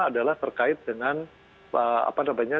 adalah terkait dengan apa namanya